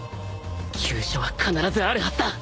急所は必ずあるはずだ